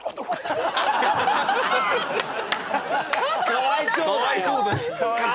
かわいそうだよ。